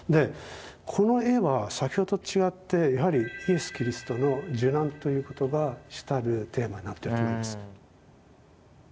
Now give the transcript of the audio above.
この絵は先ほどと違ってやはりイエス・キリストの受難ということが主たるテーマになってると思います。